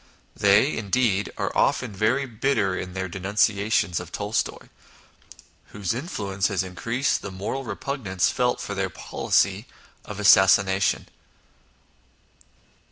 They, indeed, are often very bitter in their denunciations of Tolstoy, whose influence has increased the moral repugnance felt for their policy of assassination.